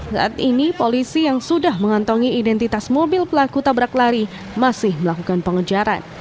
saat ini polisi yang sudah mengantongi identitas mobil pelaku tabrak lari masih melakukan pengejaran